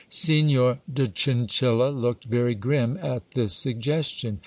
Signor de Chinchilla looked very grim at this suggestion.